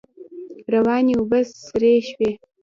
روانې اوبه سرې شوې.